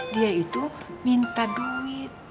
dia itu minta duit